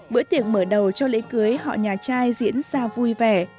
bữa tiệc mở đầu cho lễ cưới họ nhà trai diễn ra vui vẻ